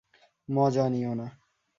মজা নিও না।